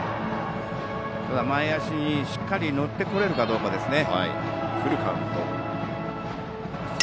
前足にしっかり乗ってこれるかどうかですね。